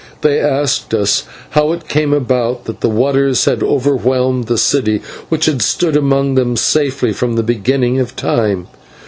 They asked us how it came about that the waters had overwhelmed the city which had stood among them safely from the beginning of time.